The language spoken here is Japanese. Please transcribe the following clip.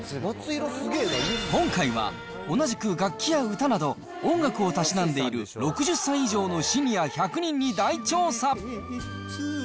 今回は、同じく楽器や歌など、音楽をたしなんでいる６０歳以上のシニア１００人に大調査。